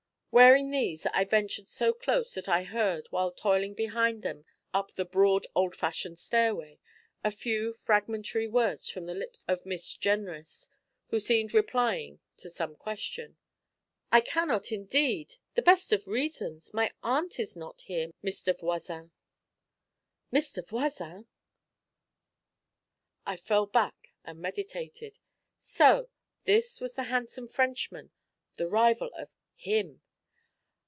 Wearing these, I ventured so close that I heard, while toiling behind them up the broad old fashioned stairway, a few fragmentary words from the lips of Miss Jenrys, who seemed replying to some question. 'I cannot, indeed the best of reasons. My aunt is not here, Mr. Voisin.' 'Mr. Voisin!' I fell back and meditated. So this was the handsome Frenchman, the rival of 'him'!